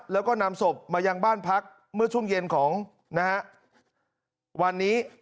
แล้วก็นำศพมายังบ้านพักเมื่อช่วงเย็นของนะฮะวันนี้